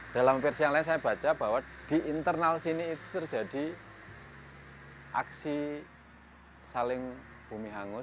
dalam versi yang lain saya baca bahwa di internal sini itu terjadi aksi saling bumi hangus